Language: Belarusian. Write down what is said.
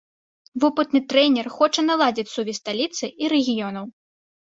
Вопытны трэнер хоча наладзіць сувязь сталіцы і рэгіёнаў.